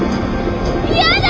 嫌だ！